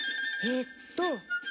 えっと。